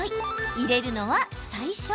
入れるのは最初。